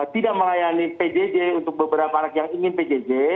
tidak melayani pjj untuk beberapa anak yang ingin pjj